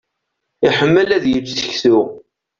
Iḥemmel ad yečč seksu.